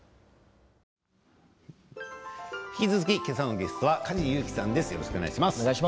引き続き、けさのゲストは梶裕貴さんです。